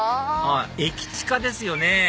あっ駅近ですよね